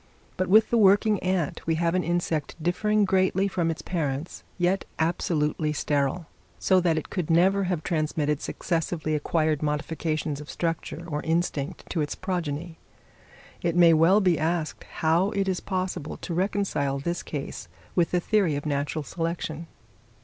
But with the working ant we have an insect differing greatly from its parents, yet absolutely sterile; so that it could never have transmitted successively acquired modifications of structure or instinct to its progeny. It may well be asked how it is possible to reconcile this case with the theory of natural selection?